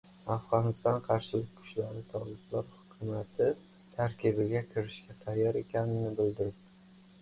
Afg‘oniston qarshilik kuchlari toliblar hukumati tarkibiga kirishga tayyor ekanini bildirdi